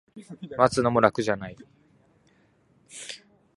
待つのも楽じゃない